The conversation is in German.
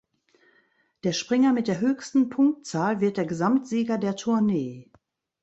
Der Springer mit der höchsten Punktzahl wird der Gesamtsieger der Tournee.